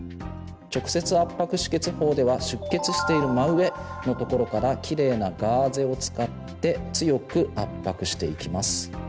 法では出血している真上のところからキレイなガーゼを使って強く圧迫していきます。